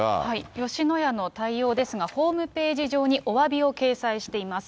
吉野家の対応ですが、ホームページ上におわびを掲載しています。